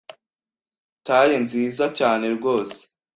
taye nziza cyane rwose